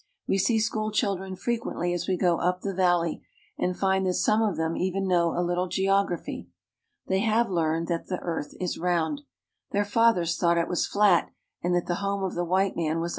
We see school children frequently as we go up the valley, and find that some of them even know a little geography. They have learned that the earth is round. Their fathers thought it was flat, and that the home of the white man was.